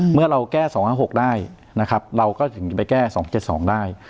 เมื่อเราแก้๒๕๖ได้เราก็ถึงไปแก้๒๗๒ได้